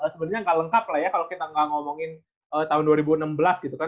sebenarnya nggak lengkap lah ya kalau kita nggak ngomongin tahun dua ribu enam belas gitu kan